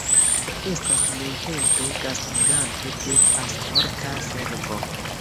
Estas nuntempe gastiganto de Pasporta Servo.